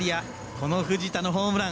この藤田のホームラン。